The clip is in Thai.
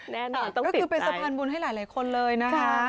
แน่นอนก็คือเป็นสะพานบุญให้หลายคนเลยนะคะ